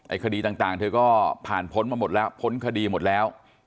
คดีต่างเธอก็ผ่านพ้นมาหมดแล้วพ้นคดีหมดแล้ว